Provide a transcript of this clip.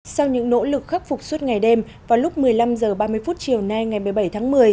sau những nỗ lực khắc phục suốt ngày đêm vào lúc một mươi năm h ba mươi chiều nay ngày một mươi bảy tháng một mươi